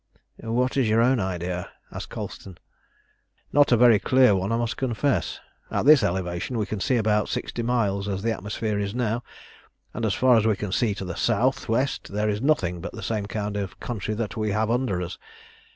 "What is your own idea?" asked Colston. "Not a very clear one, I must confess. At this elevation we can see about sixty miles as the atmosphere is now, and as far as we can see to the south west there is nothing but the same kind of country that we have under us.